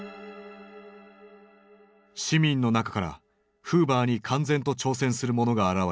市民の中からフーバーに敢然と挑戦する者が現れた。